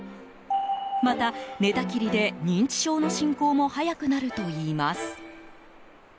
また、寝たきりで認知症の進行も早くなるといいます。